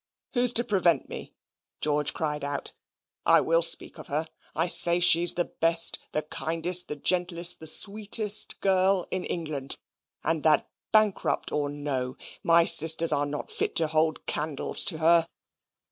"Who's to prevent me?" George cried out. "I will speak of her. I say she's the best, the kindest, the gentlest, the sweetest girl in England; and that, bankrupt or no, my sisters are not fit to hold candles to her.